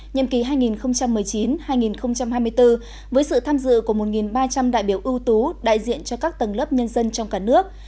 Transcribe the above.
nhiệm kỳ hai nghìn một mươi chín hai nghìn hai mươi bốn với sự tham dự của một ba trăm linh đại biểu ưu tú đại diện cho các tầng lớp nhân dân trong cả nước